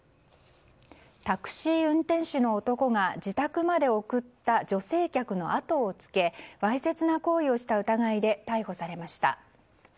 タクシー運転手の男が自宅まで送った女性客のあとをつけわいせつな行為をした疑いで逮捕されました。